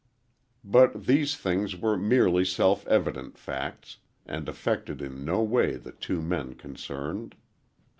But these things were merely self evident facts, and affected in no way the two men concerned.